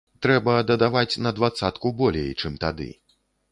Трэба дадаваць на дваццатку болей, чым тады.